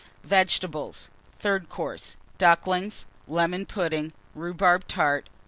Vegetables. THIRD COURSE. Ducklings. Lemon Pudding. Rhubarb Tart.